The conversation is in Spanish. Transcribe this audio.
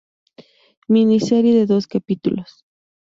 Miniserie de dos capítulos.